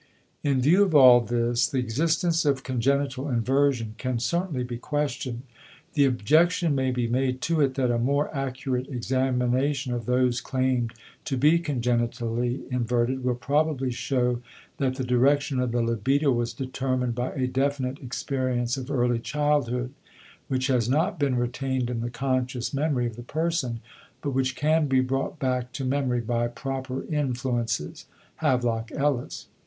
In view of all this, the existence of congenital inversion can certainly be questioned. The objection may be made to it that a more accurate examination of those claimed to be congenitally inverted will probably show that the direction of the libido was determined by a definite experience of early childhood, which has not been retained in the conscious memory of the person, but which can be brought back to memory by proper influences (Havelock Ellis).